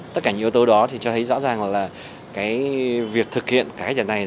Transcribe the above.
tất cả những yếu tố đó thì cho thấy rõ ràng là việc thực hiện cái này